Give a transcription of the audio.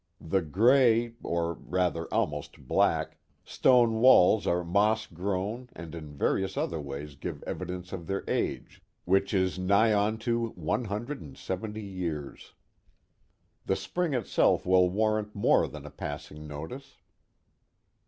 The gray, or rather almost black, stone walls are moss grown and in various other ways give evidence of their age, which is nigh onto " one hundred and seventy years. The spring itself will warrant more than a passing notice.